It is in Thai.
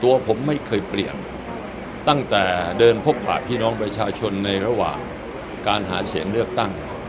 ตัวผมไม่เคยเปลี่ยนตั้งแต่เดินพบปากพี่น้องประชาชนในระหว่างการหาเสียงเลือกตั้ง